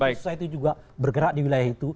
bergerak di wilayah itu